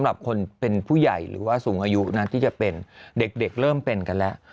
อายุนานที่จะเป็นเด็กเริ่มเป็นกันแล้ว